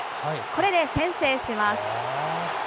これで先制します。